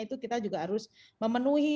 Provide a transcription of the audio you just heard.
itu kita juga harus memenuhi